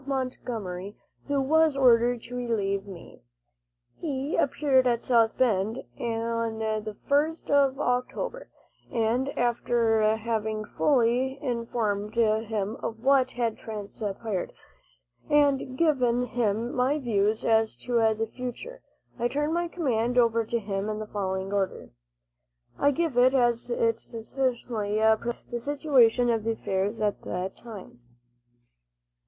Montgomery, who was ordered to relieve me. He appeared at South Bend on the 1st of October, and after having fully informed him of what had transpired, and given him my views as to the future, I turned my command over to him in the following order: I give it, as it succinctly presents the situation of affairs at the time.